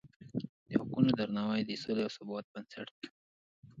د حقونو درناوی د سولې او ثبات بنسټ دی.